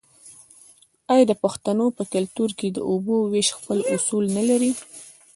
آیا د پښتنو په کلتور کې د اوبو ویش خپل اصول نلري؟